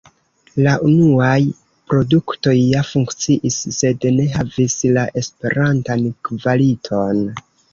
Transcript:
La unuaj produktoj ja funkciis, sed ne havis la esperatan kvaliton.